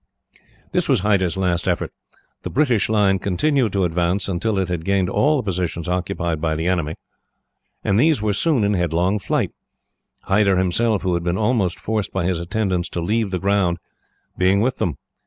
"This was Hyder's last effort. The British line continued to advance, until it had gained all the positions occupied by the enemy, and these were soon in headlong flight; Hyder himself, who had been almost forced by his attendants to leave the ground, being with them.